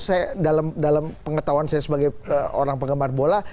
saya dalam pengetahuan saya sebagai orang penggemar bola